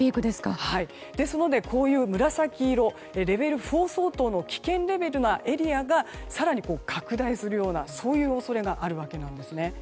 ですので紫色、レベル４相当の危険レベルなエリアが更に拡大するようなそういう恐れがあるわけなんですね。